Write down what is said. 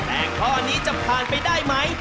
แต่ข้อนี้จะผ่านไปได้ไหม